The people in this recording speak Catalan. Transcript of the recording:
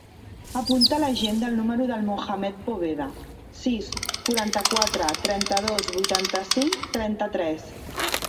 Apunta a l'agenda el número del Mohammed Poveda: sis, quaranta-quatre, trenta-dos, vuitanta-cinc, trenta-tres.